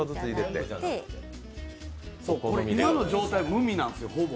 今の状態で無味なんですよ、ほぼ。